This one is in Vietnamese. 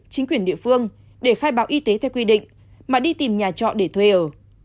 chính quyền địa phương để khai báo y tế theo quy định mà đi tìm nhà trọ để thuê ở